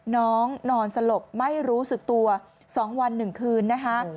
น้องนอนสลบไม่รู้สึกตัว๒วัน๑คืนนะคะ